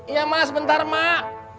iya mas bentar mak